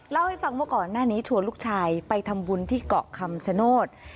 เล่าให้ฟังว่าก่อนหน้านี้ชวนลูกชายไปทำบุญที่เกาะคำชโนธ